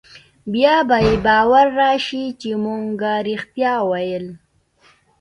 بيا به يې باور رايشي چې مونګه رښتيا ويل.